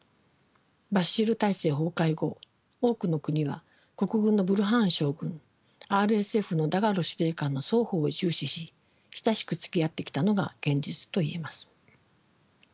バシール体制崩壊後多くの国は国軍のブルハン将軍ＲＳＦのダガロ司令官の双方を重視し親しくつきあってきたのが現実と言えます。